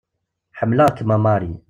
Ḥemmelɣ-kem a Marie.